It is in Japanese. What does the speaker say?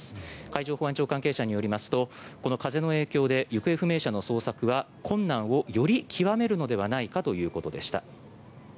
海上保安庁関係者によりますとこの風の影響で行方不明者の捜索は、困難をより極めるのではないかということでした。